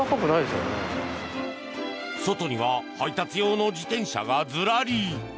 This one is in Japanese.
外には配達用の自転車がずらり。